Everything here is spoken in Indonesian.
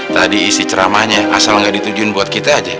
tadi isti ceramahnya asal gak ditujuin buat kita aja